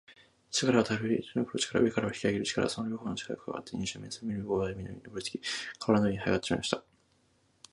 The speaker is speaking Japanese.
下からはたぐりのぼる力、上からは引きあげる力、その両ほうの力がくわわって、二十面相はみるみる大屋根にのぼりつき、かわらの上にはいあがってしまいました。